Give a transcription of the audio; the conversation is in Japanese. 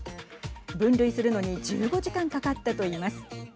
分類するのに１５時間かかったと言います。